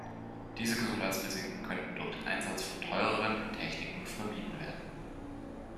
Diese Gesundheitsrisiken könnten durch den Einsatz von teureren Techniken vermieden werden.